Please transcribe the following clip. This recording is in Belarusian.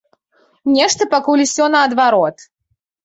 Нешта пакуль усё наадварот.